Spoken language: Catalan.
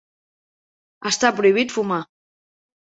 Està prohibit fumar.